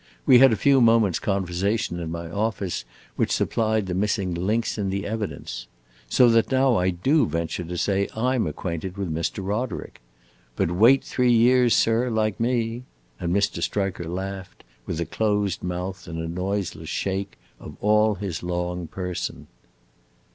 We had a few moments' conversation in my office which supplied the missing links in the evidence. So that now I do venture to say I 'm acquainted with Mr. Roderick! But wait three years, sir, like me!" and Mr. Striker laughed, with a closed mouth and a noiseless shake of all his long person.